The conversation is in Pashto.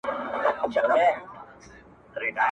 هره ورځ نوی پیل دی.